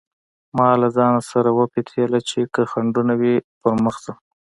ما له ځانه سره وپتېيله چې که خنډونه وي پر مخ ځم.